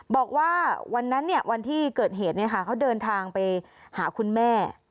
บอกว่าวันนั้นวันที่เกิดเหตุเขาเดินทางไปหาคุณแม่